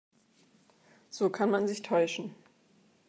So kann man sich täuschen.